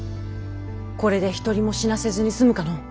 これで一人も死なせずに済むかの。